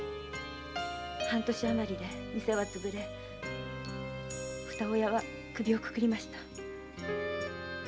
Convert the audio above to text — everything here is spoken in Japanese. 半年あまりで店はつぶれふた親は首をくくりました！